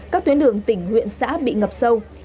các tuyến đường tỉnh huyện xã bị ngập sâu